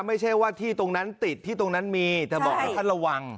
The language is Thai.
ไม่ใช่ว่าที่ตรงนั้นติดที่ตรงนั้นมีแต่บอกให้ท่านระวัง